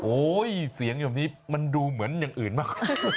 เสียงอย่างนี้มันดูเหมือนอย่างอื่นมาก